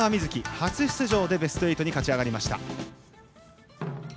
初出場でベスト８に勝ち上がりました。